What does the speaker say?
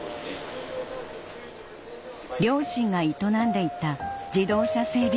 両親が営んでいた自動車整備